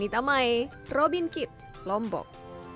ini tamai robin kit lombok